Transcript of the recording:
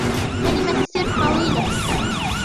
كلمة السر طويلة.